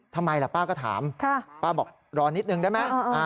ทำไมล่ะป้าก็ถามป้าบอกรอนิดนึงได้ไหม